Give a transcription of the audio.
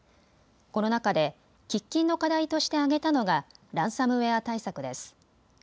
この中で喫緊の課題として挙げたのがランサムウエア対策です。